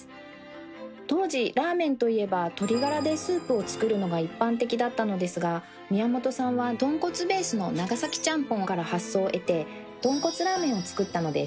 当時ラーメンといえば鶏ガラでスープを作るのが一般的だったのですが宮本さんはとんこつベースの長崎ちゃんぽんから発想を得てとんこつラーメンを作ったのです。